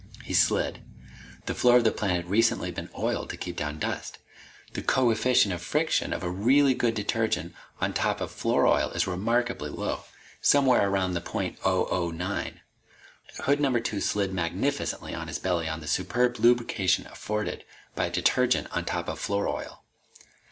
He slid. The floor of the plant had recently been oiled to keep down dust. The coefficient of friction of a really good detergent on top of floor oil is remarkably low, somewhere around point oh oh nine. Hood number two slid magnificently on his belly on the superb lubrication afforded by detergent on top of floor oil.